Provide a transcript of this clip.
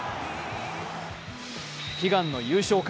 悲願の優勝か？